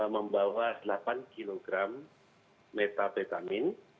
membawa delapan kg metabetamin